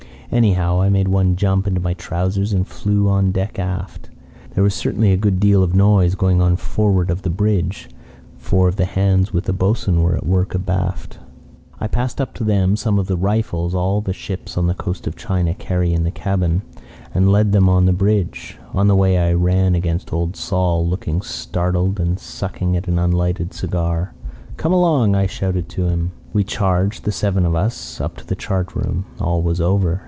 Anyhow, I made one jump into my trousers and flew on deck aft. There was certainly a good deal of noise going on forward of the bridge. Four of the hands with the boss'n were at work abaft. I passed up to them some of the rifles all the ships on the China coast carry in the cabin, and led them on the bridge. On the way I ran against Old Sol, looking startled and sucking at an unlighted cigar. "'Come along,' I shouted to him. "We charged, the seven of us, up to the chart room. All was over.